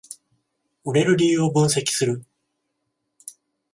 売れる理由を分析する